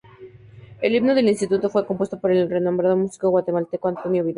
El himno del instituto fue compuesto por el renombrado músico guatemalteco Antonio Vidal.